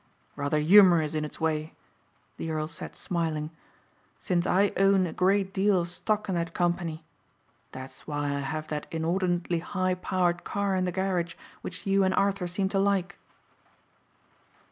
"Rather humorous in its way," the earl said smiling, "since I own a great deal of stock in that company. That's why I have that inordinately high powered car in the garage which you and Arthur seem to like."